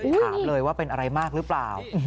ถามเลยว่าเป็นอะไรมากหรือเปล่า